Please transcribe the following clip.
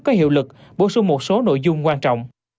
có hiệu lực bổ sung một số nội dung quan trọng